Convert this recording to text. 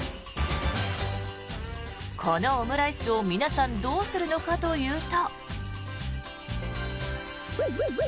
このオムライスを皆さんどうするのかというと。